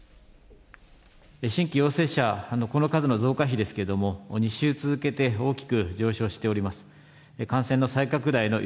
新規陽性者のこの数の増加比ですけれども、２週続けて大きく上昇しております。